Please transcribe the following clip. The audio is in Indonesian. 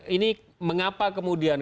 ini mengapa kemudian